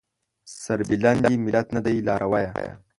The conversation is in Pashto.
سربلند دې ملت نه دی لارويه